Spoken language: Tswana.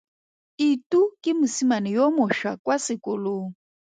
Itu ke mosimane yo mošwa kwa sekolong.